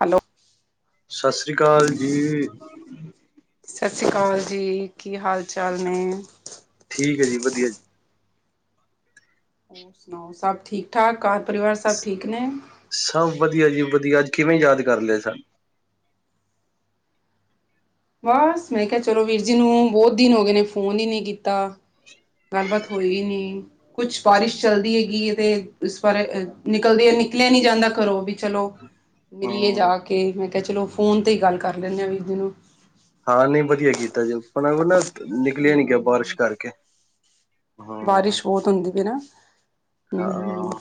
Hello. ਸਤਿ ਸ੍ਰੀ ਅਕਾਲ ਜੀ। ਸਤਿ ਸ਼੍ਰੀ ਅਕਾਲ ਜੀ, ਕੀ ਹਾਲ-ਚਾਲ ਨੇ? ਠੀਕ ਹੈ ਜੀ ਵਧੀਆ ਜੀ ਹੋਰ ਸੁਣਾਓ, ਸਭ ਠੀਕ-ਠਾਕ, ਘਰ-ਪਰਿਵਾਰ, ਸਭ ਠੀਕ ਨੇ? ਸਭ ਵਧੀਆ, ਜੀ ਵਧੀਆ, ਅੱਜ ਕਿਵੇਂ ਯਾਦ ਕਰ ਲਿਆ ਸਨ? ਬਸ ਮੈਂ ਕਿਹਾ ਚਲੋ ਵੀਰ ਜੀ ਨੂੰ ਬਹੁਤ ਦਿਨ ਹੋ ਗਏ ਨੇ ਫੋਨ ਹੀ ਨਹੀਂ ਕੀਤਾ ਗੱਲਬਾਤ ਹੋਈ ਨੀ ਕੁਝ ਸਿਫਾਰਿਸ਼ ਚਲਦੀ ਹੈਗੀ ਇਹਦੇ ਬਾਰੇ ਨਿਕਲਦੀਆਂ ਨਿਕਲੀਆਂ ਨਹੀਂ ਜਾਂਦਾ ਘਰੋ ਵੀ ਚਲੋ ਮਿਲੀਏ ਸਾਨੂੰ ਜਾ ਕੇ ਮੈਂ ਕਿਹਾ ਚਲੋ ਫੋਨ ਦੀ ਗੱਲ ਕਰ ਲੈਦੇ ਆ ਵੀਰ ਨੂੰ ਹਾਂ, ਨਹੀਂ ਵਧੀਆ ਕੀਤਾ ਜੇ ਆਪਣਾ ਵੀ ਨਾ ਹੂੰ ਨਿਕਲਿਆ ਨਹੀਂ ਗਿਆ, ਹੂੰ ਬਾਰਿਸ਼ ਕਰਕੇ ਹਾਂ ਬਾਰਿਸ਼ ਬਹੁਤ ਹੁੰਦੀ ਪਈ ਨਾ। ਹੂੰ ਹਾਂ।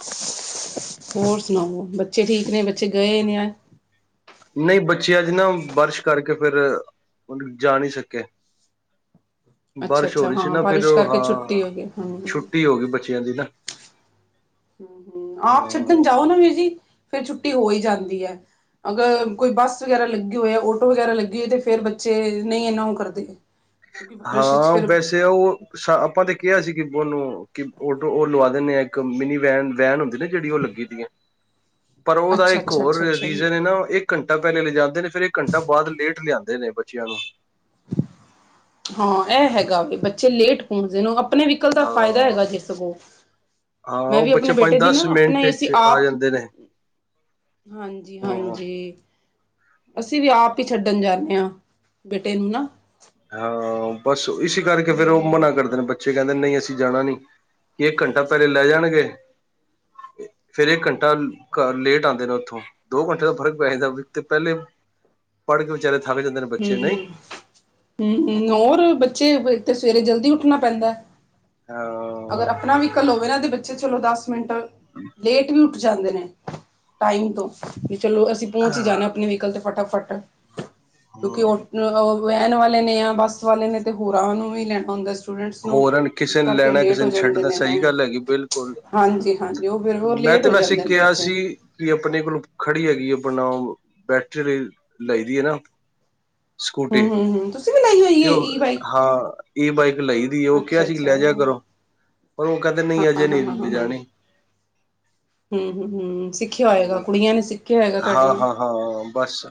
ਹੋਰ ਸੁਣਾਓ, ਬੱਚੇ ਠੀਕ ਨੇ, ਬੱਚੇ ਗਏ ਨੇ ਅੱਜ? ਨਹੀਂ, ਬੱਚੇ ਅੱਜ ਨਾ, ਬਾਰਿਸ਼ ਕਰਕੇ, ਫਿਰ ਹੁਣ ਜਾ ਨਹੀਂ ਸਕੇ ਅੱਛਾ ਬਾਰਿਸ਼ ਹੋ ਅੱਛਾ ਰਹੀ ਸੀ ਹਾਂ ਨਾ ਫਿਰ ਬਾਰਿਸ਼ ਉਹ ਕਰਕੇ ਹਾਂ ਛੁੱਟੀ ਹੋ ਗਈ ਹੂੰ ਛੁੱਟੀ ਹੋ ਗਈ ਬੱਚਿਆਂ ਦੀ ਨਾ ਹੂੰ-ਹੂੰ, ਆਪ ਛੱਡਣ ਜਾਓ ਨਾ ਵੀਰ ਜੀ, ਫਿਰ ਛੁੱਟੀ ਹੋ ਹੀ ਜਾਂਦੀ ਹੈ। ਅਗਰ ਕੋਈ ਬੱਸ ਵਗੈਰਾ ਲੱਗੀ ਹੋਈ ਹੈ, ਆਟੋ ਵਗੈਰਾ ਲੱਗੀ ਹੋਈ ਤੇ ਫਿਰ ਬੱਚੇ ਨਹੀਂ ਇੰਨਾ ਉਹ ਕਰਦੇ। ਹੂੰ। [unintelligible] ਹਾਂ, ਵੈਸੇ ਉਹ ਸਾ ਆਪਾਂ ਤਾਂ ਕਿਹਾ ਸੀ ਕਿ ਉਹਨੂੰ ਕਿ ਆਟੋ ਉਹ ਲਵਾ ਦਿੰਦੇ ਹਾਂ, ਇੱਕ ਮਿੰਨੀ ਵੈਨ, ਵੈਨ ਹੁੰਦੀ ਨਾ ਜਿਹੜੀ ਉਹ ਲੱਗੀ ਦੀ ਹੈ। [inaudible] ਪਰ ਉਹਦਾ ਅੱਛਾ ਇੱਕ ਅੱਛਾ ਹੋਰ ਅੱਛਾ ਅੱਛਾ ਰੀਜ਼ਨ ਹੈ ਨਾ, ਉਹ ਇੱਕ ਘੰਟਾ ਪਹਿਲੇ ਲਿਜਾ ਜਾਂਦੇ ਨੇ ਫਿਰ ਇੱਕ ਘੰਟਾ ਬਾਅਦ, ਲੇਟ ਲਿਆਂਦੇ ਨੇ ਬੱਚਿਆਂ ਨੂੰ। ਹਾਂ, ਇਹ ਹੈਗਾ ਵੇ, ਬੱਚੇ ਲੇਟ ਪਹੁੰਚਦੇ ਨੇ। ਉਹ ਆਪਣੇ ਵ੍ਹੀਕਲ ਦਾ ਫਾਇਦਾ ਹਾਂ ਹੈਗਾ ਜੇ ਸਗੋਂ। ਹਾਂ ਮੈਂ ਉਹ ਵੀ ਬੱਚੇ ਆਪਣੇ ਪੰਜ ਬੇਟੇ ਦੀ ਦਸ ਨਾ, ਆਪਣਾ ਮਿੰਟ ਹੀ ਅਸੀਂ ਚ ਆ ਆਪ ਜਾਂਦੇ ਨੇ ਹਾਂ ਹਾਂਜੀ-ਹਾਂਜੀ। ਅਸੀਂ ਵੀ ਆਪ ਹੀ ਛੱਡਣ ਜਾਣੇ ਹਾਂ, ਬੇਟੇ ਨੂੰ ਨਾ। ਹਾਂ, ਬੱਸ, ਉਹ ਇਸੀ ਕਰਕੇ ਫਿਰ ਉਹ ਮਨਾ ਹਮ ਕਰਦੇ ਨੇ ਬੱਚ ਬੱਚੇ ਕਹਿੰਦੇ ਨਹੀਂ, ਅਸੀਂ ਜਾਣਾ ਨਹੀਂ ਕਿ ਇੱਕ ਘੰਟਾ ਪਹਿਲੇ ਲੈ ਜਾਣਗੇ। ਫਿਰ ਇੱਕ ਘੰਟਾ ਘਰ ਲੇਟ ਆਉਂਦੇ ਨੇ, ਉੱਥੋਂ। ਦੋ ਘੰਟੇ ਦਾ ਫ਼ਰਕ ਪੈ ਜਾਂਦਾ ਤੇ ਪਹਿਲੇ, ਪੜ੍ਹ ਕੇ ਵਿਚਾਰੇ ਥੱਕ ਜਾਂਦੇ ਨੇ। ਬੱਚੇ ਹੂੰ-ਹੂੰ, ਨਹੀਂ ਹੂੰ-ਹੂੰ, ਹੋਰ ਬੱਚੇ ਤੇ ਸਵੇਰੇ ਜਲਦੀ ਉੱਠਣਾ ਪੈਂਦਾ। ਹਾਂ। ਅਗਰ ਆਪਣਾ ਵ੍ਹੀਕਲ ਹੋਵੇ ਨਾ ਤੇ ਬੱਚੇ ਚਲੋ ਦਸ ਮਿੰਟ [inaudible] ਲੇਟ ਵੀ ਉੱਠ ਜਾਂਦੇ ਨੇ, ਟਾਈਮ ਤੋਂ, ਵੀ ਚਲੋ ਅਸੀਂ ਪਹੁੰਚ ਹੀ ਜਾਣਾ, ਆਪਣੇ ਵ੍ਹੀਕਲ ਤੇ ਫਟਾਫਟ। ਕਿਉਂਕਿ ਆਟੋ ਵੈਨ ਵਾਲੇ ਨੇ ਜਾਂ ਬੱਸ ਵਾਲੇ ਨੇ ਤੇ ਹੋਰਾਂ ਨੂੰ ਵੀ ਲੈਣਾ ਹੁੰਦਾ, ਸਵੇ ਹੋਰਾਂ ਨ ਕਿਸੇ ਨ ਲੈਣਾ, ਕਿਸੇ ਨ ਛੱਡਣਾ। ਨੇ ਸਹੀ ਗੱਲ ਹੈਗੀ ਬਿਲਕੁਲ। ਹਾਂਜੀ ਹਾਂਜੀ ਉਹ ਫਿਰ ਹੋਰ ਮੈਂ ਲੇਟ ਤੇ ਹੋ ਜਾਂਦੇ ਵੈਸੇ ਨੇ ਕੇਆ ਬੱਚੇ ਸੀ ਕਿ ਆਪਣੇ ਕੋਲੋਂ ਖੜੀ ਹੈਗੀ ਏ, ਆਪਣਾ ਅ ਬੈਟਰੀ ਆਲ਼ੀ ਲਾਈ ਦੀ ਏ ਨਾ। ਸਕੂਟੀ, ਹੂੰ ਹੂੰ ਹੂੰ ਤੁਸੀਂ ਵੀ ਲਈ ਹੋਈ ਤੇ ਹੈ ਓਹ, ਈ ਬਾਈਕ ਹਾਂ। ਈ ਬਾਈਕ ਲਈ ਦੀ, ਉਹ ਕਿਹਾ ਅੱਛਾ ਸੀ ਅੱਛਾ ਲੈ ਜਾ ਹਾਂ ਕਰੋ। ਪਰ ਉਹ ਕਹਿੰਦੇ ਨਹੀਂ ਹਾਂ ਅਜੇ ਹਾਂ ਨਹੀਂ ਲਿਜਾਣੀ। ਹੰ- ਹੰ- ਹੰ, ਸਿੱਖਿਆ ਹੋਏਗਾ, ਕੁੜੀਆਂ ਨੇ ਸਿਖ ਹਾਂ-ਹਾਂ-ਹਾਂ, ਬੱਸ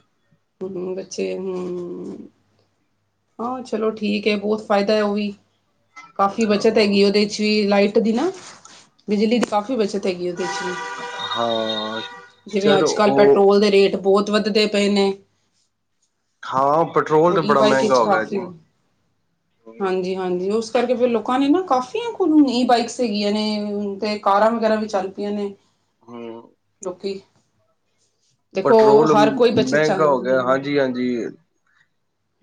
ਹੰ ਬੱਚੇ, ਹੰ ਹਾਂ ਚਲੋ ਠੀਕ ਹੈ ਬਹੁਤ ਫਾਇਦਾ ਹੈ ਉਹ ਵੀ ਕਾਫ਼ੀ ਹਾਂ ਬੱਚਤ ਹੈਗੀ ਏ ਉਹਦੇ ਚ ਵੀ ਲਾਈਟ ਦੀ ਨਾ। ਬਿਜਲੀ ਦੀ ਕਾਫ਼ੀ ਬੱਚਤ ਹੈਗੀ ਏ ਉਹਦੇ ਚ ਵੀ। ਹਾਂ ਜਿਵੇਂ ਚਲੋ ਅੱਜ-ਕੱਲ ਉਹ ਪੈਟਰੋਲ ਦੇ ਰੇਟ ਬਹੁਤ ਵੱਧਦੇ ਪਏ ਨੇ। ਹਾਂ, ਪੈਟ੍ਰੋਲ ਉਹ ਤੇ ਈ ਬੜਾ ਬਾਈਕ ਮੈਂਗਾ ਹੋ ਗਿਆ ਜੀ। ਹਾਂਜੀ-ਹਾਂਜੀ, ਉਸ ਕਰਕੇ ਫਿਰ ਲੋਕਾਂ ਨੇ ਨਾ ਕਾਫੀਆਂ ਕੋਲ ਈ ਬਾਈਕਸ ਹੈਗੀਆਂ ਨੇ ਹੁਨ ਤੇ। ਕਾਰਾਂ ਵਗੈਰਾ ਵੀ ਚੱਲ ਪਈਆਂ ਨੇ। ਲੋਕੀ ਦੇਖੋ ਪੈਟਰੋਲ ਹਰ ਕੋਈ ਬੱਚਤ ਚ ਮਹਿੰਗਾ ਹੋ ਗਿਆ। ਹਮ ਹਾਂਜੀ-ਹਾਂਜੀ,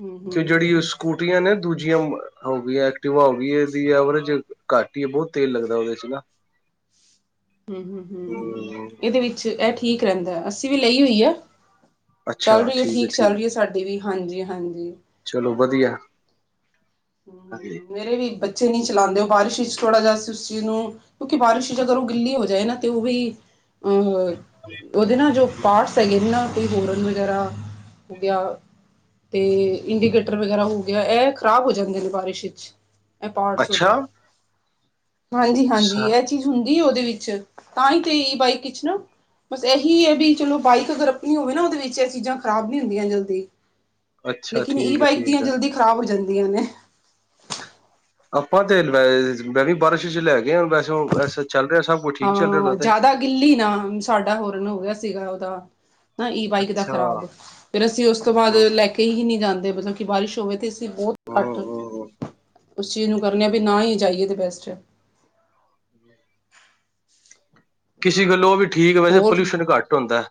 ਹਮ ਤੇ ਜਿਹੜੀ ਓ ਸਕੂਟ ਕੁਟੀਆਂ ਨੇ ਦੂਜੀਆਂ, ਮ ਅ ਹੋ ਗਈ ਐਕਟਿਵਾ ਹੋ ਗਈ, ਇਹਦੀ ਐਵਰੇਜ ਘੱਟ ਹੀ ਹੈ। ਬਹੁਤ ਤੇਲ ਲੱਗਦਾ ਉਹਦੇ 'ਚ ਨਾ। [inaudible] ਹੂੰ-ਹੂੰ-ਹੂੰ-ਹੂੰ ਹਮ ਹ ਇਹਦੇ ਵਿੱਚ ਇਹ ਠੀਕ ਰਹਿੰਦਾ, ਅਸੀਂ ਵੀ ਲਈ ਹੋਈ ਆ। ਚੱਲ ਰਹੀ ਹੈ ਠੀਕ, ਚੱਲ ਰਹੀ ਹੈ ਸਾਡੀ ਵੀ, ਹਾਂਜੀ-ਹਾਂਜੀ। ਚਲੋ ਵਧੀਆ, ਹਾਂ ਜੀ ਮੇਰੇ ਵੀ ਬੱਚੇ ਨਹੀਂ ਚਲਾਂਦੇ, ਉਹ ਬਾਰਿਸ਼ ਵਿੱਚ ਥੋੜ੍ਹਾ ਜਿਹਾ ਅਸੀ ਉਸ ਚੀਜ਼ ਨੂੰ ਕਿਉਂਕਿ ਬਾਰਿਸ਼, ਜਦੋਂ ਉਹ ਗਿੱਲੀ ਹੋ ਜਾਏ ਨਾ ਤੇ ਉਹ ਵੀ ਅਹ ਉਹਦੇ ਨਾ ਜੋ ਪਾਰਟਸ [unintelligible] ਨਾ ਕੋਈ ਹੋਰਨ ਵਗੈਰਾ ਹੋ ਗਿਆ ਤੇ ਇੰਡੀਕੇਟਰ ਵਗੈਰਾ ਹੋ ਗਿਆ, ਇਹ ਖ਼ਰਾਬ ਹੋ ਜ ਜਾਂਦੇ ਨੇ ਬਾਰਿਸ਼ 'ਚ, ਇਹ ਪਾਟਸ ਅੱਛਾ ਓਦੇ। ਹਾਂਜੀ- ਹਾਂਜੀ, ਇਹ ਚ ਚੀਜ਼ ਹੁੰਦੀ ਏ ਓਦੇ ਵਿੱਚ, ਤਾਂ ਹੀ ਤੇ ਈ ਬਾਈਕ ਚ ਨਾ ਬਸ ਇਹੀ ਏ ਬੀ ਚਲੋ ਬਾਈਕ ਅਗਰ ਆਪਣੀ ਹੋਵੇ ਨਾ, ਉਹਦੇ ਵਿੱਚ ਇਹ ਚੀਜ਼ਾਂ ਖ਼ਰਾਬ ਨੀ ਹੁੰਦੀਆਂ ਜਲਦੀ। ਅੱਛਾ ਲੇਕਿਨ ਈ ਠੀਕ ਹੈ ਬਾਈਕ ਦੀਆਂ, ਠੀਕ ਹੈ ਜਲਦੀ ਖ਼ਰਾਬ ਹੋ ਜਾਂਦੀਆਂ ਨੇ। ਆਪਾਂ ਤੇ, ਵੈ ਮੈਂ ਵੀ ਬਾਰਿਸ਼ ਚ ਲੈ ਗਿਆਂ ਵੈਸਨੋਂ ਵੈਸੇ ਚੱਲ ਰਿਹਾ ਸਭ ਕੁੱਛ। ਹਾਂ ਜ਼ਿਆਦਾ ਗਿੱਲੀ ਨਾ, ਸਾਡਾ ਹੋਰਨ ਹੋ ਗਿਆ ਸੀਗਾ ਉਹਦਾ ਨਾ ਈ ਬਾਈਕ ਦਾ ਅੱਛਾ ਖਰਾਬ, ਫੇਰ ਅਸੀਂ ਉਸ ਤੋਂ ਬਾਅਦ ਹਮ ਲੈ ਕੇ ਹੀ ਨਹੀਂ ਜਾਂਦੇ, ਮਤਲਬ ਕਿ ਬਾਰਿਸ਼ ਹੋਵੇ ਤੇ ਅ ਬਹੁਤ ਘੱਟ, ਹਮ ਉਸ ਚੀਜ਼ ਨੂੰ ਕਰਨੇ ਆਂ ਵੀ ਨਾ ਹੀ ਜਾਈਏ ਤੇ ਬੈਸਟ ਐ। ਕਿਸੀ ਗੱਲੋਂ ਉਹ ਵੀ ਠੀਕ, ਵੈਸੇ ਹੋਰ ਪੋਲਿਊਸ਼ਨ ਘੱਟ ਹੁੰਦੈ।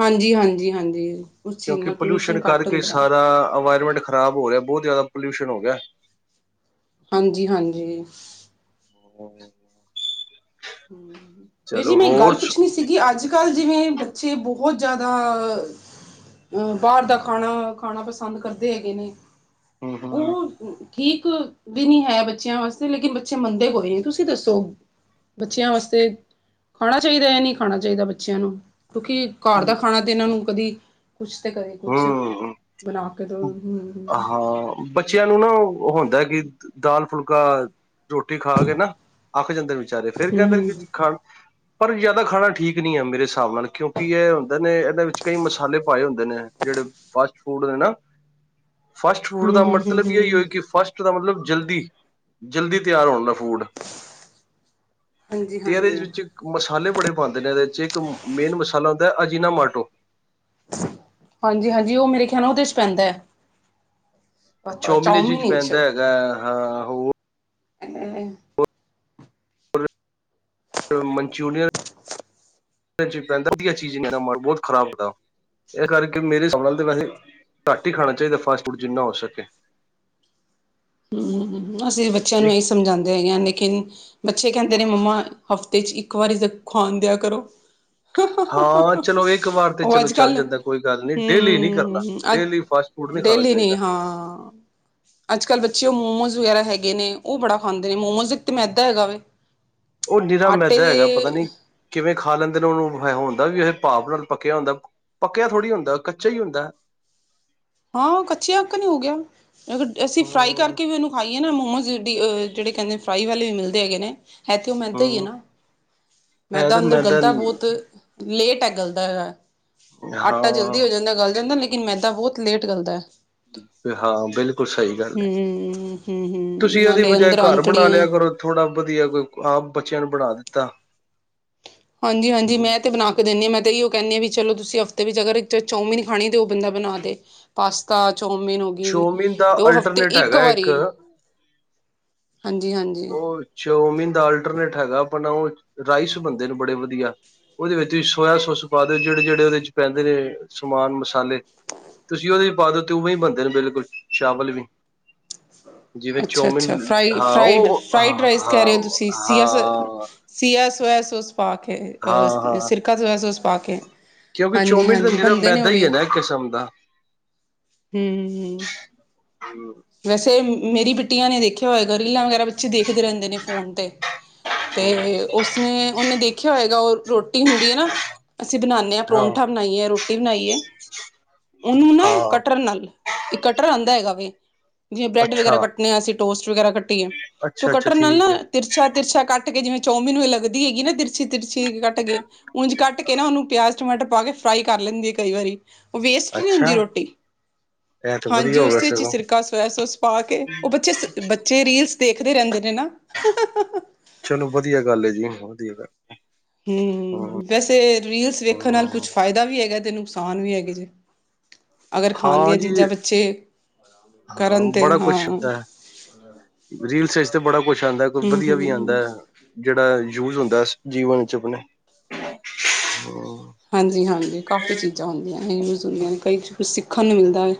ਹਾਂਜੀ-ਹਾਂਜੀ-ਹਾਂਜੀ। ਕਿਉਂਕਿ ਪੋਲਿਊਸ਼ਨ ਕਰਕੇ ਸਾਰਾ ਅਵਾਇਰਮੈਂਟ ਖ਼ਰਾਬ ਹੋ ਰਿਹਾ, ਬਹੁਤ ਜ਼ਿਆਦਾ ਪੋਲਿਊਸ਼ਨ ਹੋ ਗਿਆ। ਹਾਂਜੀ-ਹਾਂਜੀ। ਹਾਂਜੀ ਹੰ, ਵੀਰ ਜੀ ਮੈਂ ਇੱਕ ਗੱਲ ਹੋਰ ਪੁੱਛਣੀ ਸੀ ਕਿਉੰਕਿ ਅੱਜ-ਕੱਲ੍ਹ ਜਿਵੇਂ ਬੱਚੇ ਬਹੁਤ ਜ਼ਿਆਦਾ ਅ ਬਾਹਰ ਦਾ ਖਾਣਾ ਖਾਣਾ ਪਸੰਦ ਕਰਦੇ ਹੈਗੇ ਨੇ। ਹਮ ਹਮ ਉਹ ਠੀਕ ਵੀ ਨੀ ਹੈ ਬੱਚਿਆਂ ਵਾਸਤੇ ਲੇਕਿਨ ਬੱਚੇ ਮੰਨਦੇ ਕੋਈ ਨੀ। ਤੁਸੀਂ ਦੱਸੋ? ਬੱਚਿਆਂ ਵਾਸਤੇ ਖਾਣਾ ਚਾਹੀਦੈ, ਨਹੀਂ ਖਾਣਾ ਚਾਹੀਦਾ ਬੱਚਿਆਂ ਨੂੰ? ਕਿਉਂਕਿ ਘਰ ਦਾ ਖਾਣਾ ਇਹਨਾਂ ਨੂੰ ਕਦੀ ਕੁਛ ਤੇ ਕਦੇ ਕੁਛ ਹੂੰ, ਬਣਾ ਕੇ ਦੋ। ਹੰ- ਹੰ ਹਾਂ ਬੱਚਿਆਂ ਨੂੰ ਨਾ ਓ ਹੁੰਦਾ ਕਿ ਦਾਲ ਫੁਲਕਾ ਰੋਟੀ ਖਾ ਕੇ ਨਾ ਅੱਕ ਜਾਂਦੇ ਨੇ ਵਿਚਾਰੇ, ਫੇਰ ਹੂੰ ਹੂੰ ਕਹਿੰਦੇ ਨੇ ਕਿ ਖਾਣ ਪਰ ਯਾਦਾ ਖਾਣਾ ਠੀਕ ਨਹੀਂ ਐ ਮੇਰੇ ਹਿਸਾਬ ਨਾਲ, ਕਿਉਂਕਿ ਇਹ ਹੁੰਦੇ ਨੇ, ਇਹਦੇ ਵਿੱਚ ਕਈ ਮਸਾਲੇ ਪਾਏ ਹੁੰਦੇ ਨੇ। ਜਿਹੜੇ ਫਾਸਟ ਫੂਡ ਨੇ ਨਾ, ਫਾਸਟ ਫੂਡ ਹੂੰ ਦਾ ਹੂੰ ਹੂੰ ਮਤਲਬ ਹੀ ਏਈਯੋ ਹੂੰ ਏ ਕਿ ਫਾਸਟ ਪ੍ਰੋਬਲਮ ਜਲਦੀ, ਜਲਦੀ ਤਿਆਰ ਹੋਣ ਦਾ ਫੂਡ। ਹਾਂਜੀ ਤੇਰੇਜ ਹਾਂਜੀ ਵਿੱਚ। ਮਸਾਲੇ ਬੜੇ ਪਾਉਂਦੇ ਨੇ ਇਹਦੇ, ਇੱਕ ਮੇਨ ਮਸਾਲਾ ਹੁੰਦਾ ਹੈ, ਅਜੀਨਾਮਾਟੋ। ਹਾਂਜੀ, ਹਾਂਜੀ ਉਹ ਮੇਰੇ ਖਿਆਲ ਉਹਦੇ ਚ ਪੈਂਦਾ ਹੈ। ਚੋਮੀਨ ਚਾਊਮੀਨ ਵਿਚ ਵਿੱਚ ਪੈਂਦਾ ਹੈਗਾ ਹਾਂ ਹੋ। [inaudible] ਹਾ [inaudible] ਮਨਚੂਰੀਅਨ ਚ ਆਹ ਜਿਹੜਾ ਪਾਉਂਦੇ ਖਾ ਕੇ ਮਨ ਬਹੁਤ ਖਰਾਬ ਹੁੰਦਾ ਇਸ ਕਰਕੇ ਮੇਰੇ ਹਿਸਾਬ ਨਾਲ ਤੇ, ਵੈਸੇ ਘੱਟ ਹੀ ਖਾਣਾ ਚਾਹੀਦਾ ਫਾਸਟ ਫੂਡ ਜਿੰਨਾ ਹੋ ਸਕੇ। ਬੱਸ ਐ ਬੱਚਿਆਂ ਨੂੰ ਇਹ ਸਮਝਾਉਂਦੇ ਹੈਗਾ ਹਾਂ, ਲੇਕਿਨ ਬੱਚੇ ਕਹਿੰਦੇ ਨੇ ਮੰਮਾ ਹਫ਼ਤੇ 'ਚ ਇੱਕ ਵਾਰੀ ਜਰੂਰ ਖਾਣ ਦਿਆ ਕਰੋ। ਹੂ, ਹਾਂ ਹੂ, ਚਲੋ ਇੱਕ ਵਾਰ ਤੇ ਹੂ, ਚਲੋ ਅੱਜ ਚੱਲ ਕੱਲ ਜਾਂਦਾ ਕੋਈ ਗੱਲ ਨੀ ਡੇਲੀ ਨੀ ਕਰਨਾ ਅੱ। ਡੇਲੀ ਫਾਸਟ ਫੂਡ ਖਾਣਾ ਡੇਲੀ ਨੀ ਚਾਹੀਦਾ ਹਾਂ। ਅੱਜ ਕੱਲ ਬੱਚੇ ਉਹ ਮੋਮੋਜ਼ ਵਗੈਰਾ ਹੈਗੇ ਨੇ, ਉਹ ਬੜਾ ਖਾਂਦੇ ਨੇ, ਮੋਮੋਜ਼ ਇੱਕ ਤਾਂ ਮੈਦਾ ਹੈਗਾ ਵੇ। ਉਹ ਨਿਰਾ ਆਟੇ ਮੈਦਾ ਹੈਗਾ ਪਤਾ ਦੇ ਨਹੀਂ ਕਿਵੇਂ ਖਾ ਲੈਂਦੇ ਨੇ ਉਹਨੂੰ ਹੁੰਦਾਂ, ਉਹ ਭਾਪ ਨਾਲ ਪੱਕਿਆ ਹੁੰਦਾ। ਪੱਕਿਆ ਥੋੜ੍ਹੀ ਹੁੰਦਾ, ਕੱਚਾ ਹੀ ਹੁੰਦਾ। ਹਾਂ ਉਹ ਕਚਆ ਅਕਣ ਹੀ ਹੋ ਗਿਆ। ਅਗਰ ਅਸੀਂ ਫਰਾਈ ਹਮ ਕਰਕੇ ਵੀ ਉਹਨੂੰ ਖਾਈਏ ਨਾ, ਮੋਮੋਜ਼ ਡੀ ਜਿਹੜੇ ਕਹਿੰਦੇ ਫਰਾਈ ਵਾਲੇ ਵੀ ਮਿਲਦੇ ਹੈਗੇ ਨੇ ਹੈ ਤੇ ਓ ਮੈਦਾ ਈ ਏ ਹਮ ਨਾ। ਹੈ ਮੈਦਾ ਤੇ ਅੰਦਰ ਗਲਦਾ ਬਹੁਤ ਲੇਟ ਐ ਗਲਦਾ। ਆਟਾ ਹਾਂ ਜਲਦੀ ਹੋ ਜਾਂਦਾ, ਗਲ ਜਾਂਦਾ ਲੇਕਿਨ ਮੈਂਦਾਂ ਬਹੁਤ ਲੇਟ ਗੱਲਦੈ। ਹਾਂ ਬਿਲਕੁਲ ਸਹੀ ਗੱਲ ਹੈ। ਹਮ ਹਮ ਹਮ ਤੁਸੀਂ ਉਦੈ ਨਾਲੇ ਬਜਾਏ ਅੰਦਰ ਘਰ ਬਣਾ ਲਿਆ ਅੰਤੜੀਆਂ ਕਰੋ। ਥੋੜ੍ਹਾ ਵਧੀਆ, ਕੋਈ ਆਪ ਬੱਚਿਆਂ ਨੂੰ ਪੜ੍ਹਾ ਦਿੱਤਾ। ਹਾਂਜੀ, ਹਾਂਜੀ ਮੈਂ ਤੇ ਬਣਾ ਰੁੱਕ ਦਿੰਦੀ ਹਾਂ, ਮੈਂ ਤਾਂਹੀ ਉਹ ਕਹਿੰਦੀ ਹਾਂ, ਵੀ ਚਲੋ ਤੁਸੀਂ ਹਫ਼ਤੇ ਵਿੱਚ ਅਗਰ ਇੱਕ ਚੌਮੀਨ ਖਾਣੀ ਤਾਂ ਉਹ ਬੰਦਾ ਬਣਾ ਦੇ। ਪਾਸਤਾ, ਚੌਮਿਨ ਹੋ ਗਈ ਚੌਮਿਨ ਦਾ ਦੋ ਉਹ ਹਫ਼ਤੇ ਅਲਟਰਨੇਟ ਇੱਕ ਹੈਗਾ ਵਾਰੀ। ਹਾਂਜੀ, ਹਾਂਜੀ। ਉਹ ਚੋਮੀਨ ਦਾ ਅਲਟਰਨੇਟ ਹੈਗਾ, ਆਪਣਾ ਉਹ ਰਾਈਸ ਬਣਦੇ ਨੇ ਬੜੇ ਵਧੀਆ ਉਹਦੇ ਵਿੱਚ ਵੀ ਸੋਇਆ ਸੋਸ ਪਾ ਦਿਓ, ਜਿਹੜੇ ਜਿਹੜੇ ਉਹਦੇ ਚ ਪੈਂਦੇ ਨੇ ਸਮਾਨ ਮਸਾਲੇ ਤੁਸੀਂ ਉਹਦੇ ਵੀ ਪਾਦੋ ਤੇ, ਉਵੇ ਬਣਦੇ ਨੇ ਬਿਲਕੁਲ ਚਾਵਲ ਵੀ ਜਿਵੇਂ ਚੋਮਿਨ ਅੱਛਾ-ਅੱਛਾ ਫਰਾਈ ਹਾਂ, ਫਰਾਈਡ ਉਹ ਫਰਾਈਡ ਹ ਹਾਂ, ਹਾਂ ਸਿਆ ਸੋਆ ਸੋਸ ਪਾਕੇ ਹਾਂ ਹਾਂ ਸਿਰਕਾ ਸੋਆ ਸੋਸ ਪਾਕੇ ਕਿਉਂਕਿ ਹਾਂਜੀ, ਚੌਮਿਨ ਤਾਂ ਹਾਂਜੀ ਨਿਰਾ ਬੰਦੇ ਨੇ ਉਹ ਮੈਦਾ ਵੀ [inaudible] ਹਮ [inaudible] ਵੈਸੇ ਮੇਰੀ ਬਿੱਟੀਆਂ ਨੇ ਦੇਖਿਆ ਹੋਏਗਾ, ਰੀਲਾਂ ਵਗੈਰਾ ਬੱਚੇ ਦੇਖਦੇ ਰਹਿੰਦੇ ਨੇ ਫੋਨ ਤੇ ਤੇ ਉਸਨੇ ਉਹਨੇ ਦੇਖਿਆ ਹੋਏਗਾ ਉਹ ਰੋ ਰੋਟੀ ਹੁੰਦੀ ਹੈ ਨਾ, ਅਸੀਂ ਬਣਾਉਂਦੇ ਹਾਂ ਪਰੌਂਠਾ ਬਣਾਈਏ, ਰੋਟੀ ਬਣਾਈਏ ਉਹਨੂੰ ਨਾ ਹਾਂ ਕਟਰ ਨਾਲ ਇਕ ਕਟਰ ਆਉਂਦਾ ਹੈਗਾ ਵ, ਜਿਵੇਂ ਬ੍ਰੈਡ ਵਗੈਰਾ ਅੱਛਾ ਕੱਟਣੇ ਆ ਅਸੀਂ ਟੋਸਟ ਵਗੈਰਾ ਕੱਟੀਏ ਤ ਅੱਛਾ ਅੱਛਾ ਕੱਣ ਨਾਲ ਨਾ ਠੀਕ ਹੈ ਤਿਰਛਾ, ਤਿਰਛਾ ਕੱਟ ਕੇ ਜਿਵੇਂ ਚੌਮਿਨ ਲੱਗਦੀ ਹੈਗੀ ਨਾ ਛੇਤੀ, ਛੇਤੀ ਕੱਟ ਕੇ ਉਂਝ ਕੱਟ ਕੇ ਨਾ, ਉਹਨੂੰ ਪਿਆਜ ਟਮਾਟਰ ਪਾ ਕੇ ਫਰਾਈ ਕਰ ਲੈਂਦੀ ਹੈ ਕਈ ਵਾਰੀ ਵੇਸਟ ਨਹੀਂ ਅੱਛਾ ਹੁੰਦੀ ਰੋਟੀ। ਇਹ ਤਾਂ ਹਾਂਜੀ ਵਧੀਆ ਹੋ ਗਿਆ ਉਸਦੇ ਵਿੱਚ ਸਗੋਂ ਸਿਰਕਾ ਸੋਇਆ ਸਾਊਸ ਪਾ ਕੇ ਉਹ ਬੱਚੇ ਬ ਜੇ ਰੀਲਸ ਦੇਖਦੇ ਰਹਿੰਦੇ ਨੇ ਨਾ ਹਾਂ, ਹਾਂ। ਚਲੋ ਵਧੀਆ ਗੱਲ ਹੈ, ਜੀ ਹੁਣ ਵਧੀਆ ਗੱਲ ਹੂੰ, ਵੈਸੇ ਰੀਲਸ ਵੇਖਣ ਨਾਲ ਕੁਛ ਫ਼ਾਇਦਾ ਵੀ ਹੈਗਾ, ਤੇ ਨੁਕਸਾਨ ਵੀ ਹੈਗੇ ਜੇ ਅਗਰ ਖਾਣ ਹਾਂ ਦੀਆਂ ਜੀ, ਚੀਜ਼ਾਂ, ਬੱਚੇ ਹਾਂ ਕਰਨ ਤਾਂ ਬੜਾ ਕੁਛ ਹਾਂ ਹੁੰਦਾ ਹੈ। ਰੀਲਸ ਚ ਤੇ ਬੜਾ ਕੁਛ ਆਉਂਦਾ, ਕੋਈ ਵਧੀਆ ਵੀ ਆਉਂਦਾ ਹੂੰ-ਹੂੰ। ਹੈ। ਜਿਹੜਾ ਯੂਜ ਹੁੰਦਾ ਜੀਵਨ ਚ ਆਪਣੇ ਹਾਂਜੀ ਹਾਂਜੀ ਕਾਫੀ ਚੀਜ਼ਾਂ ਹੁੰਦੀਆਂ ਨੇ ਯੂਜ ਹੁੰਦੀਆਂ ਨੇ ਕਈ ਕੁਛ ਸਿੱਖਣ ਨੂੰ ਮਿਲਦਾ ਹੈ।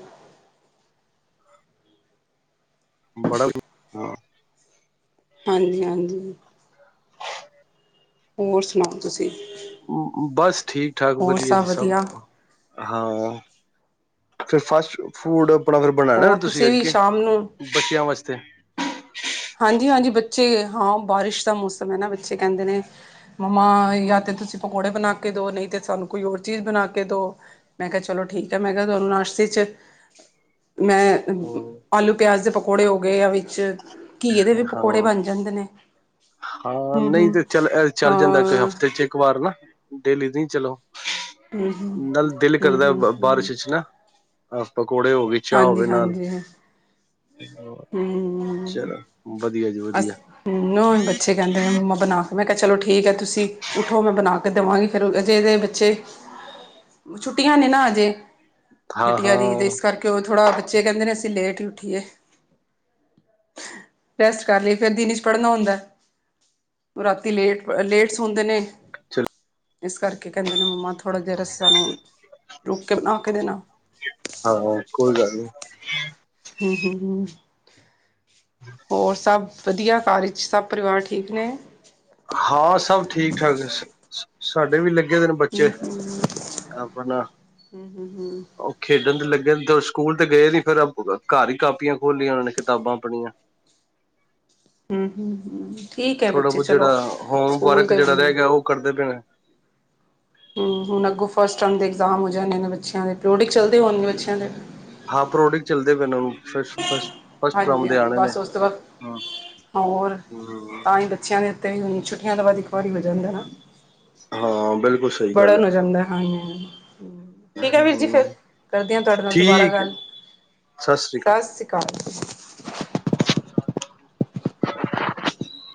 ਬੜਾ ਹਾਂ, ਹਾਂਜੀ ਹਾਂਜੀ। ਹੋਰ ਸੁਣਾਓ ਤੁਸੀ ਬਸ ਠੀਕ ਠਾਕ ਵਧੀਆ ਜੀ, ਸਭ ਹਾਂ ਫੇਰ ਫਾਸਟ ਫੂਡ ਅਪਣਾ ਫੇਰ ਬਣਾਨਾ ਹੋਰ ਤੁਸੀਂ ਅੱਜ ਵੀ ਕੇ? ਸ਼ਾਮ ਨੂੰ ਬੱਚਿਆਂ ਵਾਸਤੇ ਹਾਂਜੀ ਹਾਂਜੀ ਬੱਚੇ, ਹਾਂ ਬਾਰਿਸ਼ ਦਾ ਮੌਸਮ ਹੈ ਨਾ, ਬੱਚੇ ਕਹਿੰਦੇ ਨੇ ਮੰਮਾ ਯਾਂ ਤੇ ਤੁਸੀਂ ਪਕੌੜੇ ਬਣਾ ਕੇ ਦੋ, ਨਹੀਂ ਤੇ ਸਾਨੂੰ ਕੋਈ ਹੋਰ ਚੀਜ਼ ਬਣਾ ਕੇ ਦੋ ਮੈਂ ਕਿਹਾ ਚਲੋ ਠੀਕ ਹੈ। ਮੈਂ ਕਿਹਾ ਤੁਹਾਨੂੰ ਨਾਸ਼ਤੇ ਚ ਮੈਂ ਹੂੰ, ਆਲੂ ਪਿਆਜ ਦੇ ਪਕੌੜੇ ਹੋ ਗਏ ਜਾਂ ਵਿੱਚ ਘੀਏ ਦੇ ਵੀ ਪਕੌੜੇ ਬਣ ਜਾਂਦੇ ਨੇ। ਹਾਂ ਹੂੰ ਹੂੰ ਨਹੀਂ ਤੇ ਚੱਲ ਏ ਚੱਲ ਜਾਂਦਾ ਹਾਂ ਹਫ਼ਤੇ ਚ ਇੱਕ ਵਾਰ ਨਾ, ਡੇਲੀ ਨਹੀ ਚਲੋ ਹੂੰ ਹੂੰ ਨਾਲ ਦਿਲ ਕਰਦਾ ਹੂੰ ਹੂੰ ਬਾਰਿਸ਼ ਚ ਨਾ, ਪਕੌੜੇ ਹੋ ਗਏ ਚਾਹ ਹਾਂਜੀ, ਹੋਵੇ ਨਾਲ। ਹਾਂਜੀ, ਹਾਂਜੀ। ਚਲੋ, ਵਧੀਆ ਜੀ ਵਧੀਆ ਅਸ ਨਾ ਬੱਚੇ ਕਹਿੰਦੇ ਮੰਮਾ ਬਣਾ ਕੇ, ਮੈਂ ਕਿਹਾ ਚਲੋ ਠੀਕ ਹੈ ਤੁਸੀਂ ਉੱਠੋਂ ਮੈਂ ਬਣਾ ਕੇ ਦੇਵਾਂਗੀ ਫਿਰ ਅਜੇ ਦੇ ਬੱਚੇ ਛੁੱਟੀਆਂ ਨੇ ਨਾ ਹਜੇ ਬਿਟੀਆਂ ਦੀ ਤੇ, ਹਾਂ-ਹਾਂ ਇਸ ਕਰਕੇ ਉਹ ਥੋੜ੍ਹਾ ਬੱਚੇ ਕਹਿੰਦੇ ਨੇ ਅਸੀਂ ਲੇਟ ਹੀ ਉੱਠੀਏ ਰੈਸਟ ਕਰ ਲਏ ਫੇਰ, ਦਿਨ ਚ ਪੜ੍ਹਨਾ ਹੁੰਦਾ। ਰਾਤੀ ਲੇਟ, ਲੇਟ ਸੋਂਦੇ ਨੇ। ਅੱਛਾ। ਇਸ ਕਰਕੇ ਕਹਿੰਦੇ ਨੇ ਮੰਮਾ ਥੋੜ੍ਹਾ ਜਿਹਾ ਰਸਮ ਰੁਕ ਕੇ ਬਣਾ ਕੇ ਦੇਣਾ ਹਾਂ, ਕੋਈ ਗੱਲ ਨਹੀਂ ਹੂੰ-ਹੂੰ ਹੋਰ ਸਭ ਵਧੀਆ ਘਰ ਚ, ਸਭ ਪਰਿਵਾਰ ਠੀਕ ਨੇ ਹਾਂ ਸਭ ਠੀਕ-ਠਾਕ ਬਸ। ਸਾਡੇ ਵੀ ਲੱਗੇ ਦੇ ਨੇ ਬੱਚੇ, ਅਪਣਾ ਹੂੰ ਔ ਖੇਡਣ ਤੇ ਲੱਗੇ ਨੇ ਤੇ ਸਕੂਲ ਤੇ ਗਏ ਨੀ, ਫੇਰ ਘਰ ਹੀ ਕਾਪੀਆਂ ਖੋਲੀਆਂ ਉਹ ਨੇ ਕਿਤਾਬਾਂ ਅਪਣੀਆਂ। ਹੂੰ-ਹੂੰ-ਹੂੰ ਠੀਕ ਹੈ, ਥੋੜਾ ਬੱਚੇ ਬਹੁਤ ਚਲੋ ਜਿਹੜਾ ਸਕੂਲ ਹੋਮਵਰਕ ਤੇ ਜਿਹੜਾ ਰਹਿ ਗਿਆ ਉਹ ਕਰਦੇ ਪਏ ਨੇ ਹੂੰ ਹੁਣ ਅੱਗੋ ਫਸਟ ਟਰਮ ਦੇ ਏਗਜ਼ਾਮ ਹੋ ਜਾਂਣੇ ਨੇ ਬੱਚਿਆਂ ਦੇ, ਪੋ੍ਟਿਕਸ ਚੱਲਦੇ ਹੋਣਗੇ ਬੱਚਿਆਂ ਦੇ ਹਾਂ ਪ੍ਰੋਟਿਕ ਚੱਲਦੇ ਪਏ ਨੇ ਫ ਫਸ ਫਸਟ ਟੱਰਮ ਹਾਂਜੀ ਦੇ ਆ ਹਾਂਜੀ ਰਹੇ ਨੇ। ਬਸ ਉਸ ਤੋਂ ਬਾਅਦ ਹੋਰ ਤਾਂ ਹੀ ਬੱਚਿਆਂ ਦੇ ਉੱਤੇ ਹੁਣ ਛੁੱਟੀਆਂ ਤੋਂ ਬਾਅਦ ਇੱਕ ਵਾਰੀ ਹੋ ਜਾਂਦਾ ਨਾ। ਹਾਂ ਬਿਲਕੁਲ ਸਹੀ ਗੱਲ ਪੜਨ ਹੋ ਜਾਂਦਾ, ਹਾਂਜੀ ਹਾਂਜੀ। ਠੀਕ ਹੈ ਵੀਰ ਜੀ, ਫੇਰ ਕਰਦੀ ਹਾਂ ਤੁਹਾਡੇ ਨਾਲ ਦੁਬਾਰਾ ਠੀਕ ਹੈ ਗੱਲ। ਜੀ ਸ੍ਰੀ ਅਕਾਲ ਸਤਿ ਸ਼੍ਰੀ ਅਕਾਲ। [inaudible]